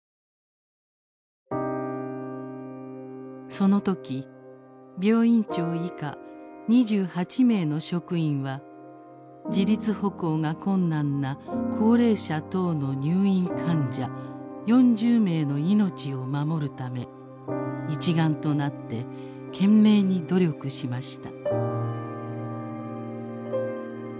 「その時病院長以下二十八名の職員は自立歩行が困難な高齢者等の入院患者四十名の命を守るため一丸となって懸命に努力しました」。